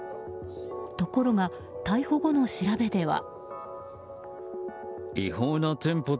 ところが逮捕後の調べでは。